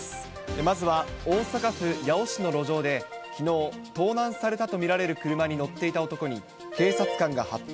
まずは大阪府八尾市の路上で、きのう、盗難されたと見られる車に乗っていた男に警察官が発砲。